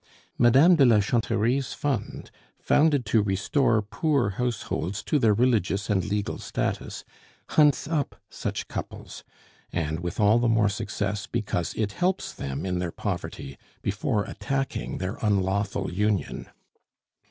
Madame de la Chanterie's fund, founded to restore poor households to their religious and legal status, hunts up such couples, and with all the more success because it helps them in their poverty before attacking their unlawful union.